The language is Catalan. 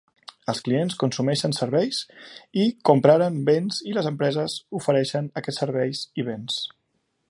Els clients consumeixen serveis i compraren béns i les empreses ofereixen aquests serveis i béns.